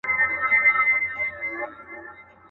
انګرېزي ځواکونه له ماتي سره مخامخ سوي ول.